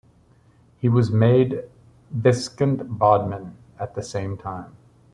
He was made Viscount Bodmin at the same time.